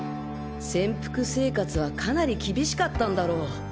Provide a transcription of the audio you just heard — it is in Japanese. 潜伏生活はかなり厳しかったんだろう。